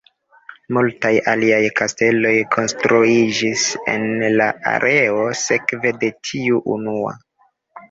Multaj aliaj kasteloj konstruiĝis en la areo sekve de tiu unua.